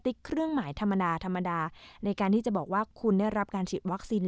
เครื่องหมายธรรมดาธรรมดาในการที่จะบอกว่าคุณได้รับการฉีดวัคซีน